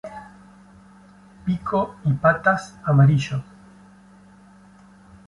Pico y patas amarillo.